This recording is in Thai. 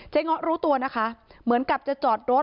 เงาะรู้ตัวนะคะเหมือนกับจะจอดรถ